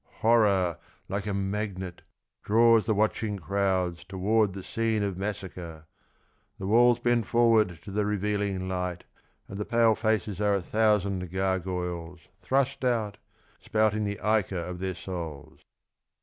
Horror, like a magnet, draws the watching crowds Toward the scene of massacre. The walls Bend forward to the revealing light. And the pale faces are a thousand gargoyles Thrust out, spouting the ichor of their souls.